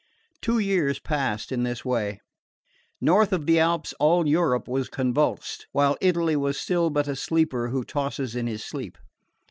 Two years passed in this way. North of the Alps, all Europe was convulsed, while Italy was still but a sleeper who tosses in his sleep.